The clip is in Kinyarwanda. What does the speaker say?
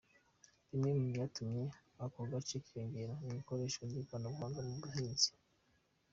Bimwe mu byatumye ako gaciro kiyongera ni ikoreshwa ry’ikoranabuhanga mu buhinzi.